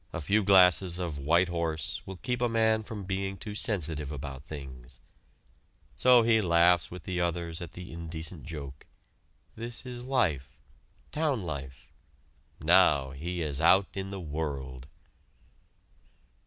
A few glasses of "White Horse" will keep a man from being too sensitive about things. So he laughs with the others at the indecent joke. This is life town life. Now he is out in the world!